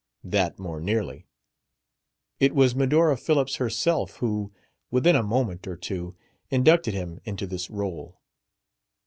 That more nearly. It was Medora Phillips herself who, within a moment or two, inducted him into this role.